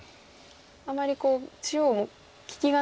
あまり中央も利きがないですよね。